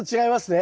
え。